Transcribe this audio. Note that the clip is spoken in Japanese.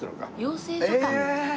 養成所か。